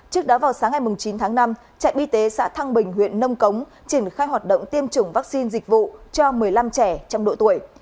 trước đó vào sáng ngày chín tháng năm trạm y tế xã thăng bình huyện nông cống triển khai hoạt động tiêm chủng vaccine dịch vụ cho một mươi năm trẻ trong độ tuổi